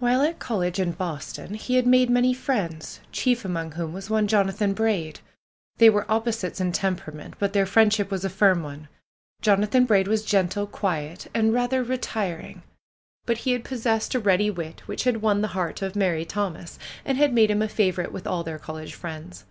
While at college in Boston he had made many friends, chief among whom was one Jonathan Braid. They were opposites in temperament ; but their friend ship was a firm one. J onathan Braid was gentle, quiet, and rather retiring ; but he had possessed a ready wit, which had won the heart of merry Thomas and had made him a favorite with all their college friends.